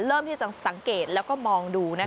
เริ่มที่จะสังเกตแล้วก็มองดู